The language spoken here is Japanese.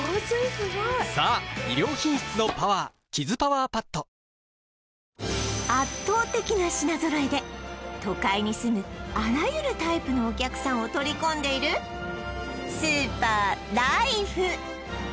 えっ圧倒的な品揃えで都会に住むあらゆるタイプのお客さんを取り込んでいるスーパー・ライフ